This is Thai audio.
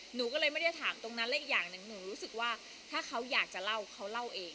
หนูก็เลยไม่ได้ถามตรงนั้นและอีกอย่างหนึ่งหนูรู้สึกว่าถ้าเขาอยากจะเล่าเขาเล่าเอง